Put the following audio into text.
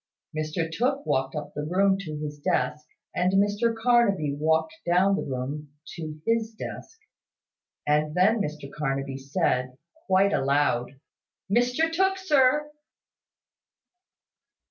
Mr Tooke walked up the room to his desk, and Mr Carnaby walked down the room to his desk; and then Mr Carnaby said, quite aloud, "Mr Tooke, sir."